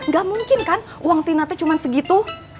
gak mungkin kan uang tina tuh cuman segitu